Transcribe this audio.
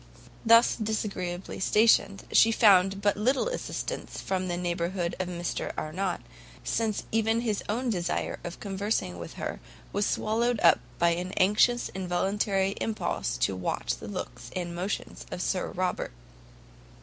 Thus disagreeably stationed, she found but little assistance from the neighbourhood of Mr Arnott, since even his own desire of conversing with her, was swallowed up by an anxious and involuntary impulse to watch the looks and motions of Sir Robert.